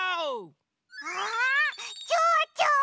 わあちょうちょ！